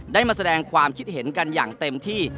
ได้มาแสดงความคิดเห็นกันอย่างเต็มที่